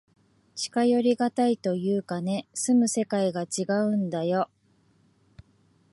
近寄りがたいというかね、住む世界がちがうんだよ。